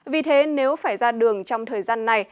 vì thế nếu phải ra đường trong thời gian này